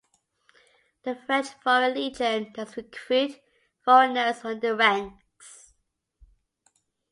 The French Foreign Legion does recruit foreigners on their ranks.